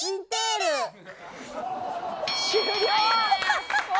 終了。